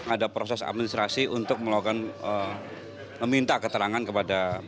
ada proses administrasi untuk meminta keterangan kepada bnn